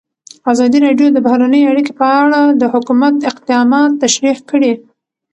ازادي راډیو د بهرنۍ اړیکې په اړه د حکومت اقدامات تشریح کړي.